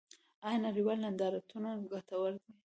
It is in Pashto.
آیا نړیوال نندارتونونه ګټور دي؟